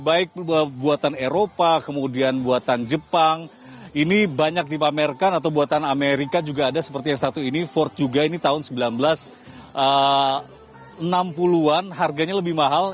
baik buatan eropa kemudian buatan jepang ini banyak dipamerkan atau buatan amerika juga ada seperti yang satu ini ford juga ini tahun seribu sembilan ratus enam puluh an harganya lebih mahal